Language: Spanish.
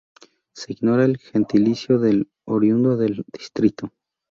Se ignora el gentilicio del oriundo del distrito.